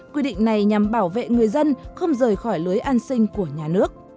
quy định này nhằm bảo vệ người dân không rời khỏi lưới an sinh của nhà nước